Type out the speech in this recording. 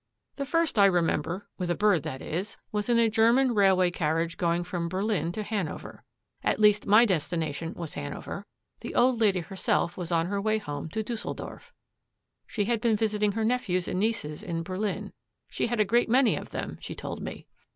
The first I remember with a bird, that is was in a German railway carriage going from Berlin to Hanover. At least, my destination was Hanover; the old lady herself was on her way home to Düsseldorf. She had been visiting her nephews and nieces in Berlin; she had a great many of them, she told me.